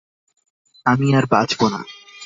আমি আর বাঁচবো না।